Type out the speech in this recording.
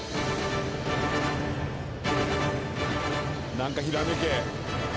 何かひらめけ！